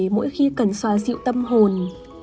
mỗi khi cần xoa dịu tâm hồn